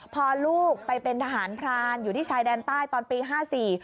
พอลูกไปเป็นทหารพรานอยู่ที่ชายแดนใต้ตอนปีห้าสี่